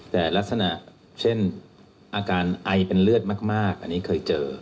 แต่ลักษณะเช่นอาการไอเป็นเลือดมากอันนี้เคยเจอ